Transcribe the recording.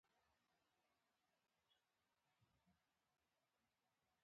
ـ ما بورې نانګه خوړل، زامن مې ټول بلا وخوړل.